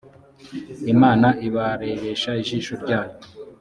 imana ibarebesha ijisho ryayo.